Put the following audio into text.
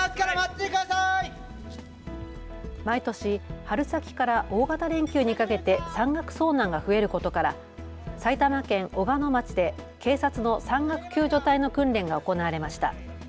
毎年、春先から大型連休にかけて山岳遭難が増えることから埼玉県小鹿野町で警察の山岳救助隊の訓練が行われました。